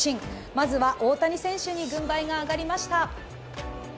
まずは大谷選手に軍配が上がりました。